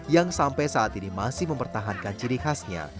yang sampai saat ini masih mempertahankan ciri khasnya